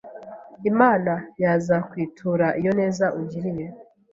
Imana yazakwitura iyo neza ungiriye